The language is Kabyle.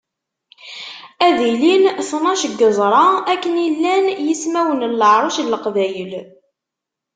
Ad ilin tnac n yeẓra, akken i llan yismawen n leɛruc n leqbayel.